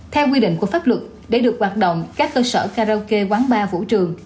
theo quy định của pháp luật để được hoạt động các cơ sở karaoke quán bar vũ trường